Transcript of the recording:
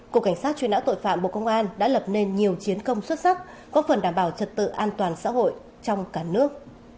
cục cảnh sát truy nã tội phạm bộ công an đã lập nên nhiều chiến công xuất sắc góp phần đảm bảo trật tự an toàn xã hội trong cả nước